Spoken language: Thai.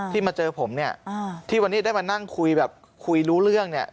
มาเจอผมเนี่ยที่วันนี้ได้มานั่งคุยแบบคุยรู้เรื่องเนี่ย